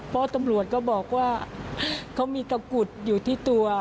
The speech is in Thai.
เพราะตำรวจก็บอกว่าเขามีตะกุดอยู่ที่ตัว